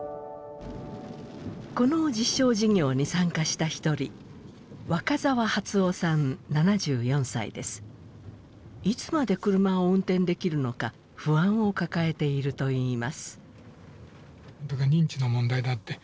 この実証事業に参加した一人いつまで車を運転できるのか不安を抱えているといいます。